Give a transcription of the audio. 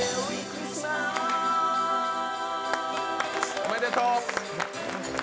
おめでとう！